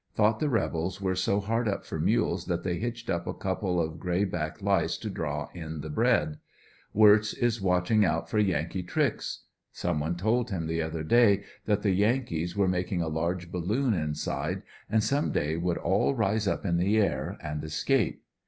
Thought the rebels were so hard up for mules that they hitched up a couple of gray back lice to draw in the bread. Wi tz is watching out for Yankee tricks. Some one told him the other day that the Yankees were making a large balloon inside and some day would all rise up in the air and escape.